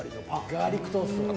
ガーリックトースト。